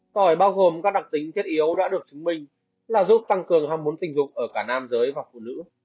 còi bao gồm các đặc tính thiết yếu đã được chứng minh là giúp tăng cường ham muốn tình dục ở cả nam giới và phụ nữ